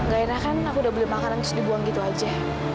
gak enak kan aku udah beli makanan terus dibuang gitu aja